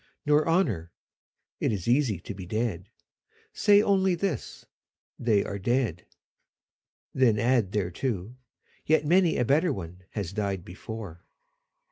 Nor honour. It is easy to be dead. Say only this, " They are dead." Then add thereto, " Yet many a better one has died before."